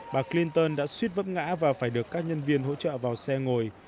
bà clinton đã suýt vấp ngã và phải được các nhân viên hỗ trợ vào xe ngồi